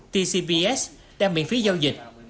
tcbs đang miễn phí giao dịch